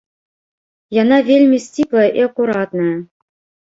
Яна вельмі сціплая і акуратная.